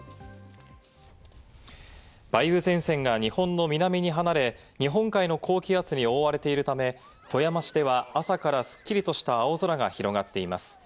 梅雨前線が日本の南に離れ、日本海の高気圧に覆われているため、富山市では朝からすっきりとした青空が広がっています。